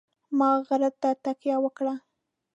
ما غره ته تکیه وکړه.